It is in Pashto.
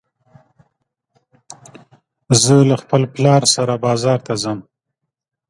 زه له خپل پلار سره بازار ته ځم